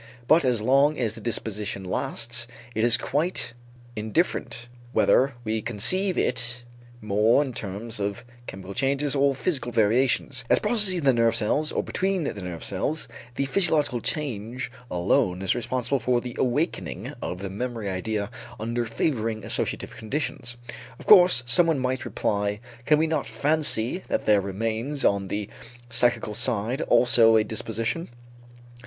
But as long as the disposition lasts it is quite indifferent whether we conceive it more in terms of chemical changes or physical variations, as processes in the nerve cells or between the nerve cells the physiological change alone is responsible for the awakening of the memory idea under favoring associative conditions. Of course, someone might reply: can we not fancy that there remains on the psychical side also a disposition?